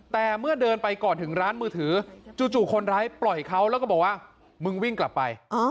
แต่เมื่อเดินไปก่อนถึงร้านมือถือจู่คนร้ายปล่อยเขาแล้วก็บอกว่ามึงวิ่งกลับไป